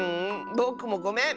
ぼくもごめん！